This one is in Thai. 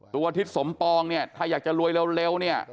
ทิศสมปองเนี่ยถ้าอยากจะรวยเร็วเนี่ย